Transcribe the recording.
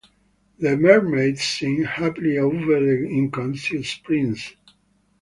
The mermaids sing happily over the unconscious prince.